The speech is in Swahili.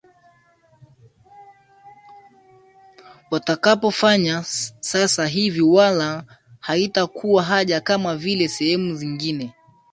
watakapofanya sasa hivi wala haitakuwa haja kama vile sehemu zingine